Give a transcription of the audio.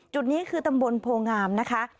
จุดนี้คือตำบลโพงามนะคะ